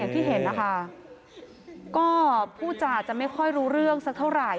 ที่เห็นนะคะก็พูดจาจะไม่ค่อยรู้เรื่องสักเท่าไหร่